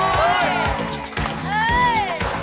โอ้เหลือกรอบหลั่ง